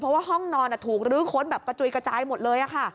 เพราะว่าห้องนอนถูกลื้อค้นแบบกระจุยกระจายหมดเลย